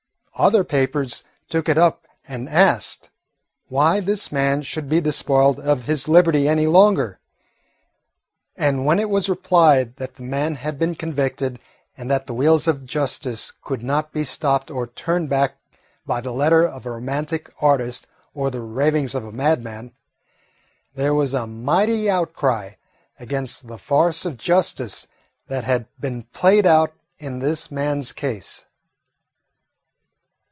Other papers took it up and asked why this man should be despoiled of his liberty any longer? And when it was replied that the man had been convicted, and that the wheels of justice could not be stopped or turned back by the letter of a romantic artist or the ravings of a madman, there was a mighty outcry against the farce of justice that had been played out in this man's case.